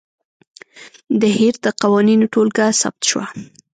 د هیر د قوانینو ټولګه ثبت شوه.